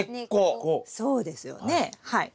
そうですよねはい。